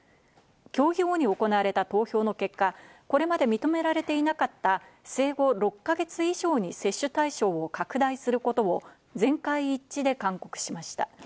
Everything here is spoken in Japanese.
協議後に行われた投票の結果、これまで認められていなかった生後６か月以上に接種対象を拡大することを全会一致で勧告しました。